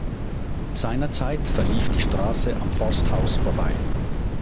Seinerzeit verlief die Straße am Forsthaus vorbei.